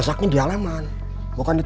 kami sudah mulai ponsel